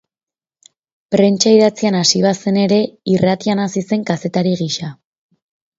Prentsa idatzian hasi bazen ere, irratian hazi zen kazetari gisa.